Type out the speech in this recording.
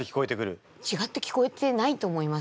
違って聞こえてないと思います。